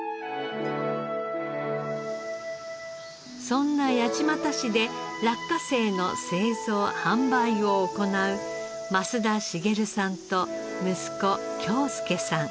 そんな八街市で落花生の製造販売を行う増田繁さんと息子京輔さん。